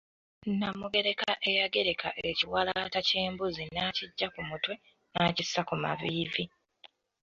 Namugereka eyagereka ekiwalaata ky'embuzi nakiggya ku mutwe nakissa ku maviivi.